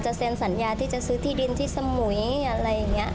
เซ็นสัญญาที่จะซื้อที่ดินที่สมุยอะไรอย่างนี้